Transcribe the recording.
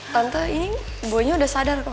tante ini buahnya udah sadar kok